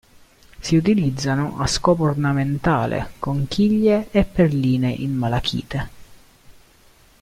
Si utilizzano a scopo ornamentale conchiglie e perline in malachite.